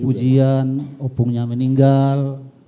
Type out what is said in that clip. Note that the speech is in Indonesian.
ujian opungnya meninggal